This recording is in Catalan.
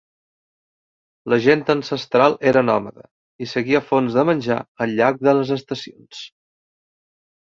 La gent ancestral era nòmada, i seguia fonts de menjar al llarg de les estacions.